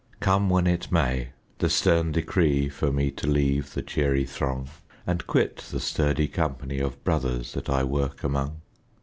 Come when it may, the stern decree For me to leave the cheery throng And quit the sturdy company Of brothers that I work among.